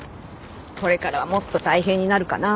これからはもっと大変になるかな。